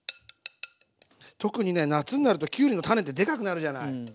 特にね夏になるときゅうりの種ってでかくなるじゃない？